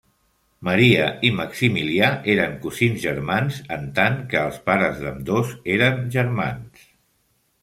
Maria i Maximilià eren cosins germans en tant que els pares d'ambdós eren germans.